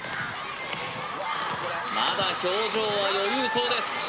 まだ表情は余裕そうです